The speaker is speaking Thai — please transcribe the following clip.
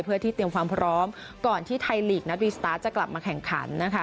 เพื่อที่เตรียมความพร้อมก่อนที่ไทยลีกนัดรีสตาร์ทจะกลับมาแข่งขันนะคะ